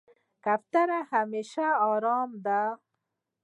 کوتره همیشه آرامه ده.